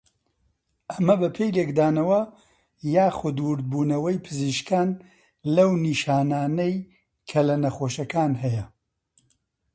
ئەمە بەپێی لێکدانەوە یاخود وردبوونەوەی پزیشکان لەو نیشانانەی کە لە نەخۆشەکان هەیە